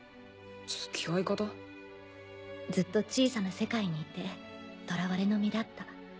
ずっと小さな世界にいて囚われの身だった。